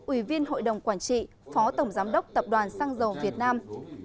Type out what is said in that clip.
ủy viên hội đồng quản trị phó tổng giám đốc tập đoàn xăng dầu việt nam